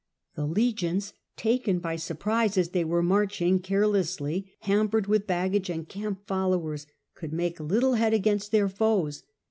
The legions, taken by surprise as they were marching carelessly, hampered with baggage and camp followers, could make little head AH, D 34 The Earlier Empire. B.C. 31— against their foes.